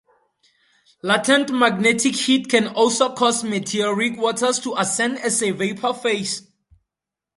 Latent magmatic heat can also cause meteoric waters to ascend as a vapour phase.